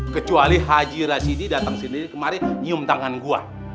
kecuali haji rasidi datang kemari nyium tangan gue